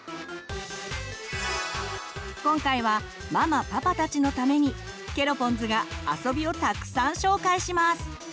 今回はママパパたちのためにケロポンズが遊びをたくさん紹介します！